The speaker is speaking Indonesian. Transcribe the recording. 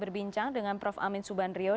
berikutnya pegangan kita ke pak kristof